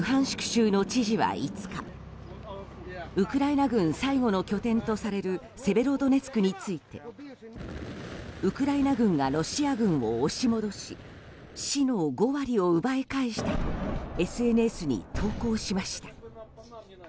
州の知事は５日ウクライナ軍最後の拠点とされるセベロドネツクについてウクライナ軍がロシア軍を押し戻し市の５割を奪い返したとＳＮＳに投稿しました。